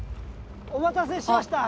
お待たせしました。